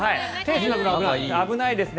危ないですね。